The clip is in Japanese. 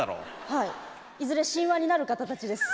はいいずれ神話になる方たちです。